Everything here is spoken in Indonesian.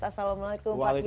assalamualaikum pak kiai